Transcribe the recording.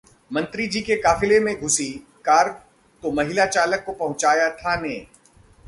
मंत्रीजी के काफिले में घुसी कार तो महिला चालक को पहुंचाया थाने